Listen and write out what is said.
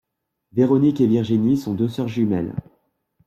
Véronique et Virginie sont deux sœurs jumelles.